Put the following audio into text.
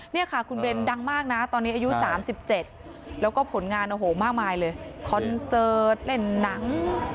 นี่ค่ะคุณเบนดังมากนะตอนนี้อายุ๓๗แล้วก็ผลงานโอ้โหมากมายเลยคอนเสิร์ตเล่นหนัง